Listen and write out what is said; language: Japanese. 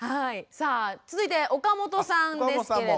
さあ続いて岡本さんですけれども。